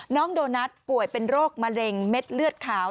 น้องโดนัทป่วยเป็นโรคมะเร็งเม็ดเลือดขาว